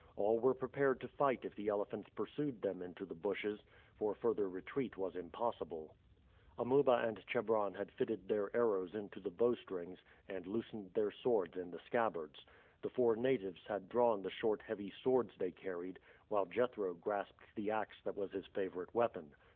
All were prepared to fight if the elephants pursued them into the bushes, for further retreat was impossible. Amuba and Chebron had fitted their arrows into the bowstrings and loosened their swords in the scabbards. The four natives had drawn the short heavy swords they carried, while Jethro grasped the ax that was his favorite weapon.